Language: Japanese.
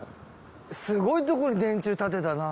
すごいところに電柱たてたな。